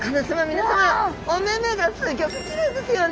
皆さまお目々がすギョくきれいですよね。